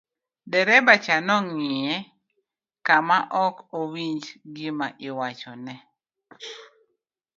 dereba cha nong'iye ka ma ok owinj gima iwachone